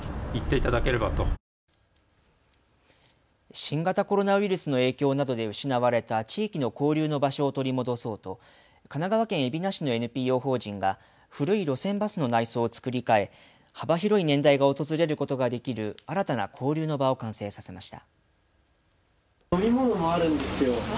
新型コロナウイルスの影響などで失われた地域の交流の場所を取り戻そうと神奈川県海老名市のＮＰＯ法人が古い路線バスの内装を作り替え、幅広い年代が訪れることができる新たな交流の場を完成させました。